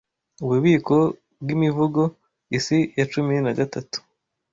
Ububiko bw'Imivugo Isi ya cumi nagatatu